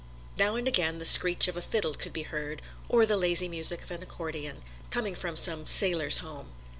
Now and again the screech of a fiddle could be heard or the lazy music of an accordion, coming from some "Sailors' Home."